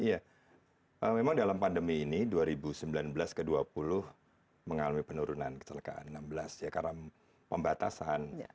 ya memang dalam pandemi ini dua ribu sembilan belas ke dua puluh mengalami penurunan kecelakaan enam belas ya karena pembatasan